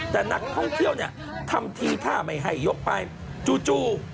แต่นักท่องเที่ยวเนี่ยทำทีท่าไม่ให้ยกไปจู่